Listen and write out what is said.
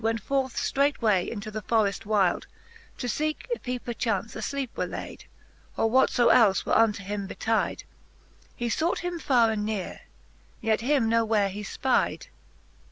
Went forth ftreightway into the forreft wyde. To feeke, if he perchance afleepe were layd, Or what fo elfe were unto him betyde : He fought him farre and neare, yet him no where he fpydc, IV.